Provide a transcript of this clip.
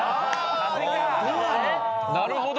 なるほど。